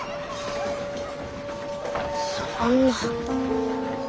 そんな。